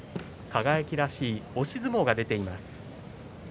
輝らしい押し相撲が出ています。